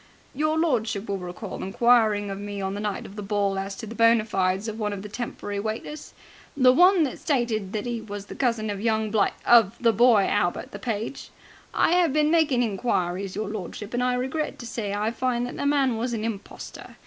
"Your lordship will recall inquiring of me on the night of the ball as to the bona fides of one of the temporary waiters? The one that stated that 'e was the cousin of young bli of the boy Albert, the page? I have been making inquiries, your lordship, and I regret to say I find that the man was a impostor.